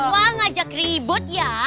wah ngajak ribut ya